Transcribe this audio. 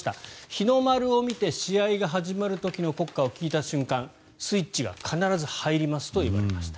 日の丸を見て試合が始まる時の国歌を聴いた瞬間スイッチが必ず入りますと言われました。